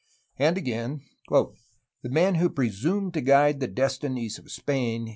and again ''The men who presumed to guide the destinies of Spain .